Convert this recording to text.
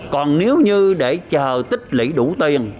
còn nếu như để chờ tích lỷ đủ tiền